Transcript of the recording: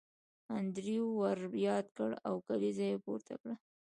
انډریو ور یاد کړ او کلیزه یې پورته کړه